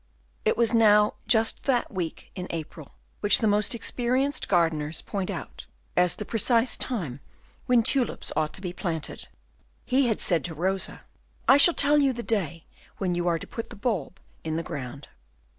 It was now just that week in April which the most experienced gardeners point out as the precise time when tulips ought to be planted. He had said to Rosa, "I shall tell you the day when you are to put the bulb in the ground."